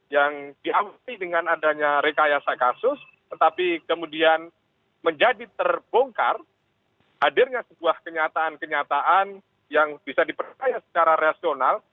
yang diawati dengan adanya rekayasa kasus tetapi kemudian menjadi terbongkar hadirnya sebuah kenyataan kenyataan yang bisa dipercaya secara rasional